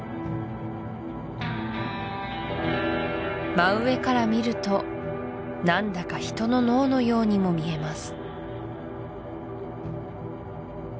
真上から見ると何だか人の脳のようにも見えます